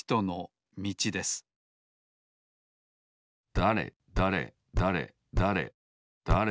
だれだれだれだれだれ